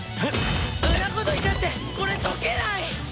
んなこと言ったってこれ解けない！